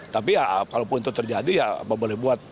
tapi ya kalaupun itu terjadi ya apa boleh buat